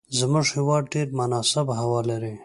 زموږ هیواد ډیره مناسبه هوا لری